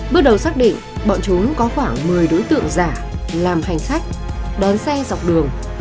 bước đầu xác định bọn trốn có khoảng một mươi đối tượng giả làm hành khách đón xe dọc đường